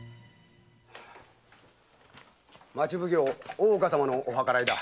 町奉行・大岡様のお計らいだ。